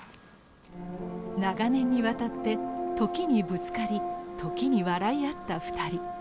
長年にわたって時にぶつかり時に笑い合った２人。